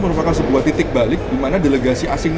merupakan sebuah titik balik di mana delegasi asing